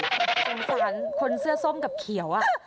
สงสารคนเสื้อส้มกับเขียว